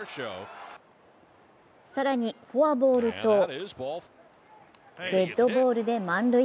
更にフォアボールとデッドボールで満塁。